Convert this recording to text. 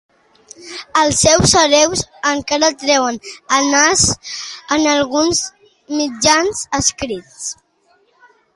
Els seus hereus encara treuen el nas en alguns mitjans escrits.